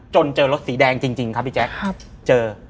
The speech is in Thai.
เจอรถสีแดงจริงครับพี่แจ๊คเจอ